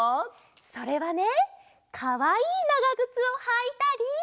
それはねかわいいながぐつをはいたり。